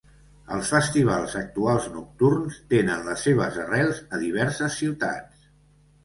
Els festivals actuals nocturns tenen les seves arrels a diverses ciutats.